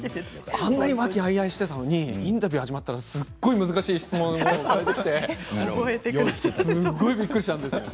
あんなに和気あいあいとしていたのにインタビューが始まったらすごい難しい質問がきてびっくりしちゃった。